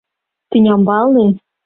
Тӱнямбалне